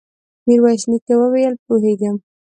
ميرويس نيکه وويل: پوهېږم.